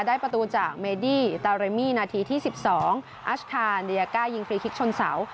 ได้ประตูจากเมดี้ตาเรมี่นาทีที่๑๒อัชคาเดียก้ายิงฟรีคิกชนเสา